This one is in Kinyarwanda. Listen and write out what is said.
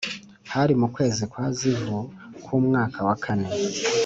hari mu kwezi kwa Zivu k’umwaka wa kane